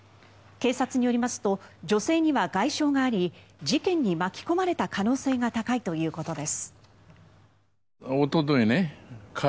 警察によりますと女性には外傷があり事件に巻き込まれた可能性が高いということです。